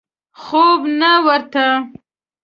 خوب نه ورته.